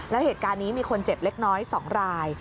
แล้วเหตุการณ์นี้มีคนเจ็บเล็กน้อย๒ราย